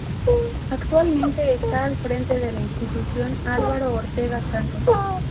Actualmente está al frente de la institución Álvaro Ortega Santos.